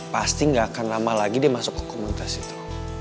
pasti gak akan lama lagi dia masuk ke komunitas itu